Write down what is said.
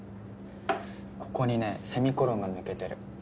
ここにねセミコロンが抜けてる。